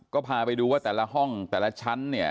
ก็พาไปดูว่าแต่ละห้องแต่ละชั้นเนี่ย